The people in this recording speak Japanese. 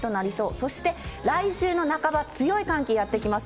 そして来週の半ば、強い寒気やって来ます。